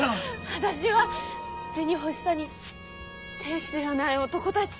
私は銭欲しさに亭主ではない男たちと。